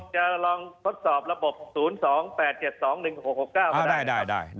หรือจะโทรจะลองทดสอบระบบ๐๒๘๗๒๑๖๖๙ก็ได้นะครับ